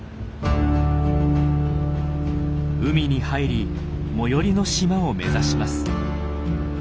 海に入り最寄りの島を目指します。